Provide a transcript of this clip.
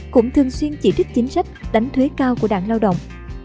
cũng thường xuyên chỉ trích chính sách đánh thuế cao của đảng lao động